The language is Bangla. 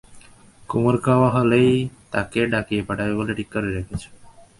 কুমুর খাওয়া হলেই তাকে ডাকিয়ে পাঠাবে বলে ঠিক করে রেখেছে।